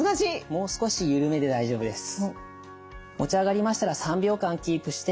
もう少し緩めで大丈夫です。